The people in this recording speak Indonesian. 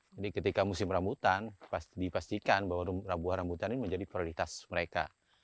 jadi ketika musim rambutan dipastikan bahwa buah rambutan ini menjadi prioritas mereka